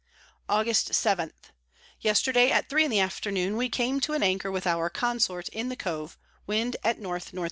Aug. 7. Yesterday at three in the Afternoon we came to an anchor with our Consort in the Cove, Wind at N N E.